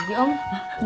mau diambilin lagi om